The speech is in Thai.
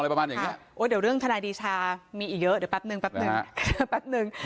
เดี๋ยวเรื่องธนาฏิชามีอีกเยอะเดี๋ยวปั๊บนึง